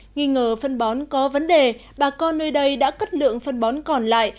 nghĩ ngờ phân bón có vấn đề bà con nơi đây đã cất lượng phân bón còn lại